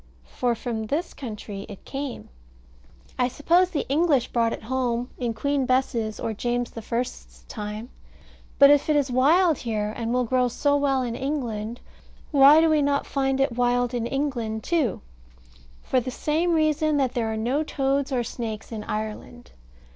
For from this country it came. I suppose the English brought it home in Queen Bess's or James the First's time. But if it is wild here, and will grow so well in England, why do we not find it wild in England too? For the same reason that there are no toads or snakes in Ireland.